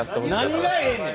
何がええねん！